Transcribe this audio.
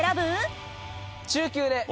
中級で。